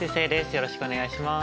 よろしくお願いします。